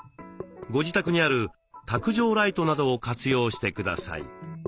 ご自宅にある卓上ライトなどを活用してください。